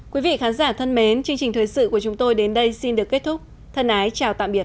quý vị khán giả thân mến chương trình thời sự của chúng tôi đến đây xin được kết thúc thân ái chào tạm biệt